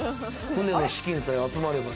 船の資金さえ集まれば。